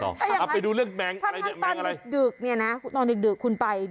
เอาไปดูเรื่องแมงอะไร